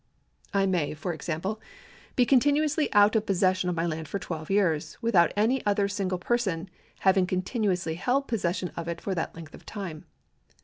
I may, for example, be continuously out of posses sion of my land for tw^elve years, without any other single person having continuously held possession of it for that length of time.